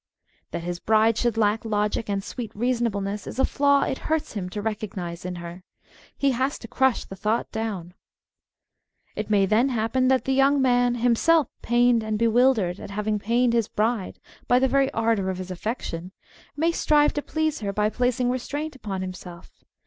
That his bride should lack logic and sweet reason ableness is a flaw it hurts him to recognise in her. He has to crush the thought down. It may then happen that the young man, himself pained and bewildered at having pained his bride by the very ardour of his affection, may strive to please her by placing restraint upon himself.